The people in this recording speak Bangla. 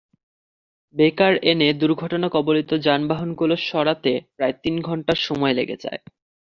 রেকার এনে দুর্ঘটনা কবলিত যানবাহনগুলো সরাতে প্রায় তিন ঘণ্টা সময় লেগে যায়।